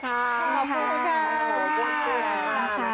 ขอบคุณค่ะขอบคุณค่ะ